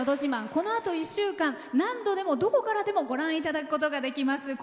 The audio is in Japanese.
このあと１週間何度でも、どこからでもご覧いただくことができます。